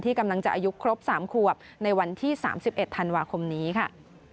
กำลังจะอายุครบ๓ขวบในวันที่๓๑ธันวาคมนี้ค่ะ